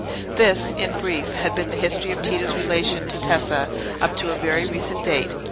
This, in brief, had been the history of Tito's relation to Tessa up to a very recent date.